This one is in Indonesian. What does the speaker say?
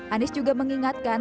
anies juga mengingatkan